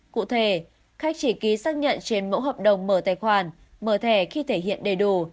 cụ thể khách chỉ ký xác nhận trên mẫu hợp đồng mở tài khoản mở thẻ khi thể hiện đầy đủ